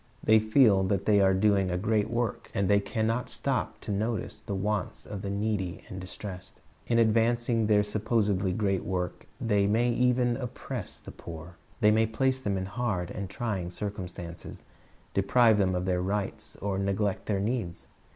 They feel that they are doing a threat work, and they can not stop to notice tlie wants of the needy and distressed. In advancing their supposedly great work they may even oppress the poor. They may place them in hard and trying circumstances, deprive them of their rights, or neglect their needs.